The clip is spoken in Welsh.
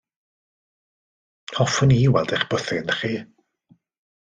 Hoffwn i weld eich bwthyn chi.